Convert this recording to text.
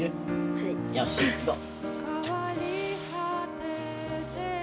はい。よしいこう！